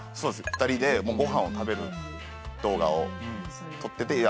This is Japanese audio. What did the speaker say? ２人でご飯を食べる動画を撮ってて。